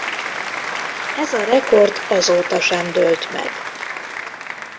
Ez a rekord azóta sem dőlt meg.